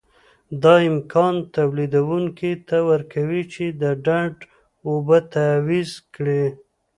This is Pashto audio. دا امکان تولیدوونکي ته ورکوي چې د ډنډ اوبه تعویض کړي.